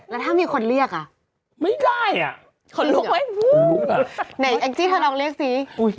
แล้วถ้ามีคนเรียกอ่ะไม่ได้อ่ะขอลุกให้อุ๊ยแหมไอ้จี้ซ์ท่านลองเรียกซิกุ๊ก